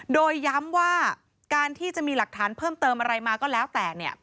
โดยย้ำว่าการที่จะมีหลักฐานเพิ่มเติมอะไรมาก็แล้วแต่